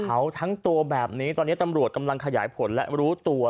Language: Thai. ทั้งตัวแบบนี้ตอนนี้ตำรวจกำลังขยายผลและรู้ตัว